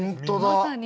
まさに。